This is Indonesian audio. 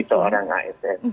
bagi seorang asn